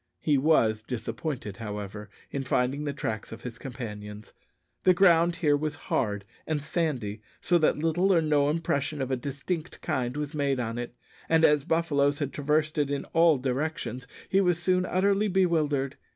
He was disappointed, however, in finding the tracks of his companions. The ground here was hard and sandy, so that little or no impression of a distinct kind was made on it; and as buffaloes had traversed it in all directions, he was soon utterly bewildered.